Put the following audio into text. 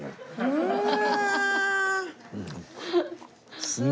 うん。